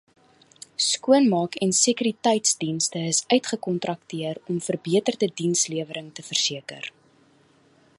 Skoonmaak- en sekuriteitsdienste is uitgekontrakteer om verbeterde dienslewering te verseker.